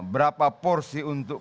berapa porsi untuk